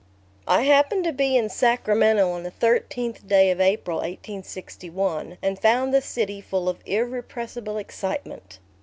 I happened to be in Sacramento on the thirteenth day of April, 1861, and found the city full of irrepressible excitement.